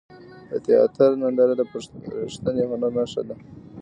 د تیاتر ننداره د ریښتیني هنر نښه ده.